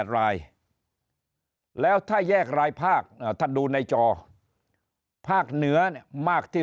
๘รายแล้วถ้าแยกรายภาคท่านดูในจอภาคเหนือมากที่